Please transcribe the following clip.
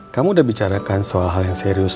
kamu udah bicarakan soal hal yang serius